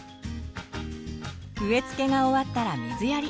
植えつけが終わったら水やり。